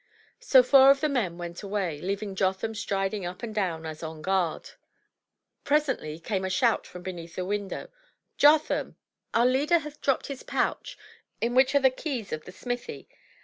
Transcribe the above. So four of the men went away, leaving Jotham striding up and down as on guard. Presently came a shout from beneath the window, —*' Jotham! our leader hath dropped his pouch in which are the keys of the smithy.